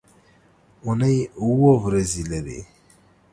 اونۍ اووه ورځې لري.